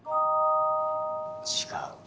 違う。